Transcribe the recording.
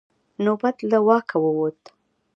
نوبت له واکه ووت.